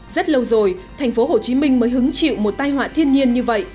rất lâu rồi thành phố hồ chí minh mới hứng chịu một tai họa thiên nhiên như vậy